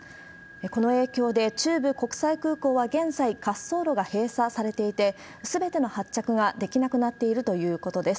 この影響で、中部国際空港は現在、滑走路が閉鎖されていて、すべての発着ができなくなっているということです。